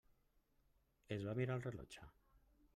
Es va mirar el rellotge.